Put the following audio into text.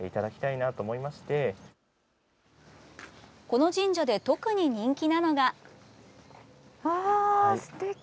この神社で特に人気なのが。